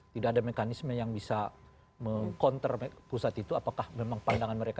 tidak ada mekanisme yang bisa meng counter pusat itu apakah memang pandangan mereka